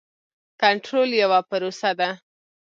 کنټرول یوه پروسه ده.